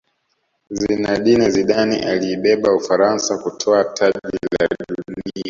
zinedine zidane aliibeba ufaransa kutwaa taji la dunia